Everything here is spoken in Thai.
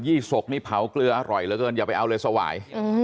ี่ศกนี่เผาเกลืออร่อยเหลือเกินอย่าไปเอาเลยสวาย